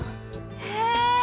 へえ。